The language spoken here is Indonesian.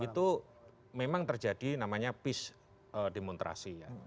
itu memang terjadi namanya peace demonstrasi ya